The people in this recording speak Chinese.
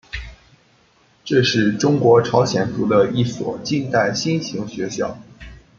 这是中国朝鲜族的第一所近代新型学校。